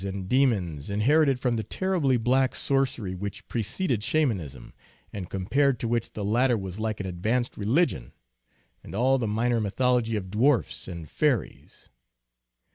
3 and demons, inherited from the terribly black sorcery which preceded Shamanism, and compared to which the latter was like an advanced religion, and all the minor mythology of dwarfs and fairies.